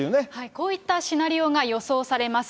こういったシナリオが予想されます。